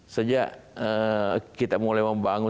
sejak kita mulai membangun